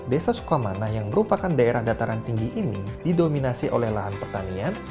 desa sukamana yang merupakan daerah dataran tinggi ini didominasi oleh lahan pertanian